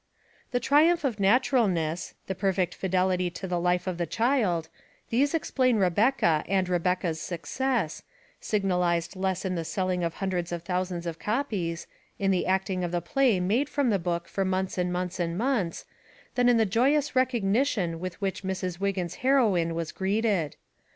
The triumph of naturalness, the perfect fidelity to the life of the child; these explain Rebecca and Rebec ca's success, signalized less in the selling of hundreds of thousands of copies, in the acting of the play made from the book for months and months and months, than in the joyous recognition with which Mrs. Wig gin's heroine was greeted.